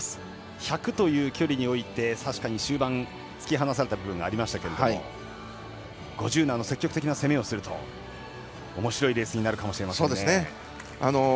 １００という距離においては終盤、突き放された部分がありましたが５０でも積極的な攻めをするとおもしろいレースになるかもしれませんね。